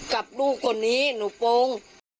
กับลูกคนนี้หนูโปรง